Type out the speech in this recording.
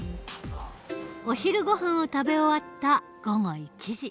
お昼ごはんを食べ終わった午後１時。